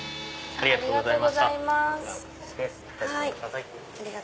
ありがとうございます。